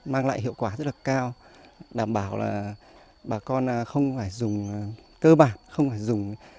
mang lại hiệu quả rất là cao đảm bảo là bà con không phải dùng cơ bản không phải dùng